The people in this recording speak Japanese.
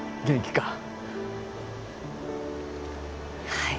はい。